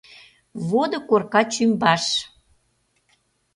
Водо корка чӱмбаш —